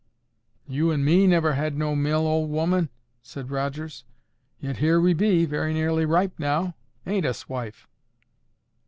"You and me never had no mill, old 'oman," said Rogers; "yet here we be, very nearly ripe now,—ain't us, wife?"